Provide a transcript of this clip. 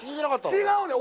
違うねん！